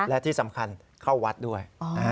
และที่สำคัญเข้าวัดด้วย